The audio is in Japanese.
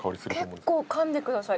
でも結構噛んでください。